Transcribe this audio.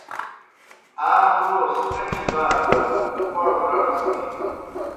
آ مُلوس کچیْ بار دہ بڑوْ لڑَز تِھینوْ۔